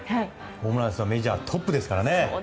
ホームラン数はメジャートップですから。